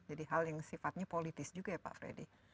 jadi hal yang sifatnya politis juga ya pak freddy